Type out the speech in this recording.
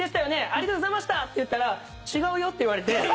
ありがとうございました」って言ったら「違うよ」って言われて。